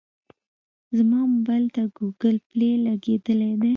زما موبایل ته ګوګل پلی لګېدلی دی.